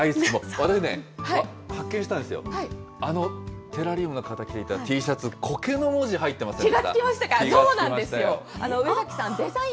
私もね、発見したんですよ、あのテラリウムの方のＴシャツ、苔の文字入ってませんか？